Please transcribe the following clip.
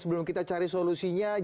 sebelum kita cari solusinya